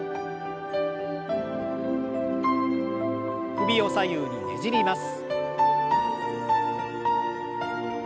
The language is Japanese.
首を左右にねじります。